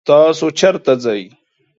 تاسو چرته ځئ؟